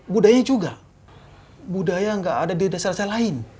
budaya juga budaya nggak ada di desa desa lain